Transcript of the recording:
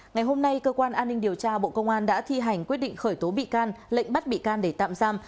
ngày hôm nay cơ quan an ninh điều tra bộ công an đã thi hành quyết định khởi tố bị can lệnh bắt bị can để tạm giam